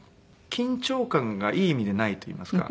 緊張感がいい意味でないといいますか。